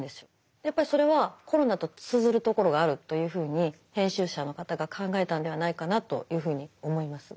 やっぱりそれはコロナと通ずるところがあるというふうに編集者の方が考えたんではないかなというふうに思います。